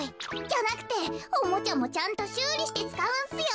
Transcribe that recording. じゃなくておもちゃもちゃんとしゅうりしてつかうんすよ。